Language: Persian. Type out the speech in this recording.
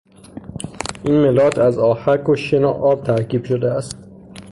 این ملات از آهک و شن و آب ترکیب شده است.